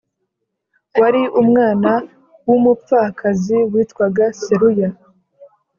wari umwana w’umupfakazi witwaga Seruya